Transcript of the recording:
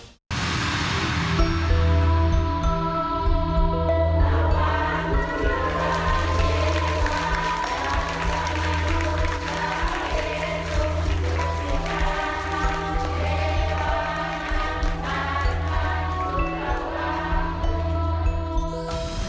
สวัสดีครับ